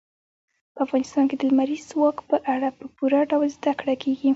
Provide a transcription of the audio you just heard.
په افغانستان کې د لمریز ځواک په اړه په پوره ډول زده کړه کېږي.